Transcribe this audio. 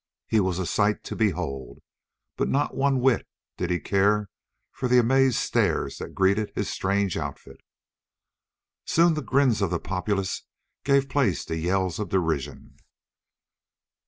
He was a sight to behold, but not one whit did he care for the amazed stares that greeted his strange outfit. Soon the grins of the populace gave place to yells of derision.